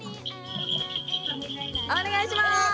お願いします。